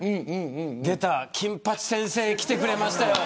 出た、金八先生きてくれましたよ。